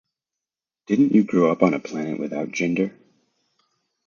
Didn’t you grow up on a planet without gender?